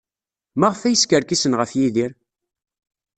Maɣef ay skerkisen ɣef Yidir?